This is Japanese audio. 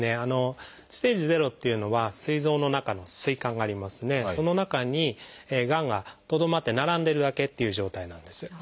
「ステージ０」っていうのはすい臓の中の膵管がありますねその中にがんがとどまって並んでるだけっていう状態なんです。